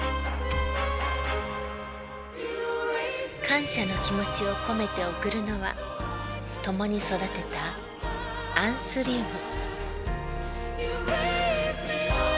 感謝の気持ちを込めて贈るのは共に育てたアンスリウム。